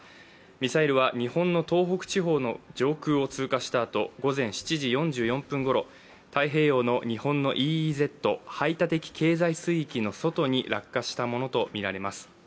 ミサイルは日本の東北地方の上空を通過したあと午前７時４４分頃、太平洋のＥＥＺ＝排他的経済水域の外に落下したものとみられます。